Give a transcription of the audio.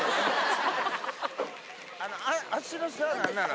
足の下は何なの？